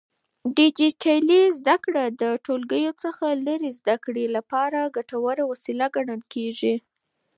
ډيجيټلي زده کړه د ټولګیو څخه لرې زده کړې لپاره ګټوره وسيله ګڼل کېږي.